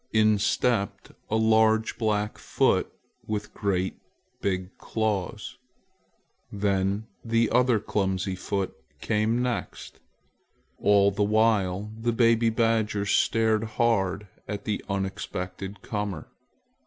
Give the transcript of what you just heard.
In stepped a large black foot with great big claws. Then the other clumsy foot came next. All the while the baby badgers stared hard at the unexpected comer.